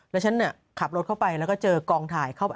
แล้วฉันขับรถเข้าไปแล้วก็เจอกองถ่ายเข้าไป